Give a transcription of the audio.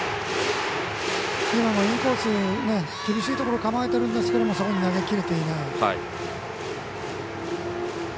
今のインコース厳しいところに構えてますがそこに投げ切れていない。